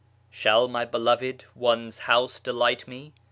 Shall my Beloved one's house delight me.